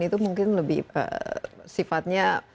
itu mungkin lebih sifatnya